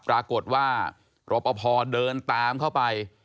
ปรากฏว่ารอปภเดินตามเข้าไป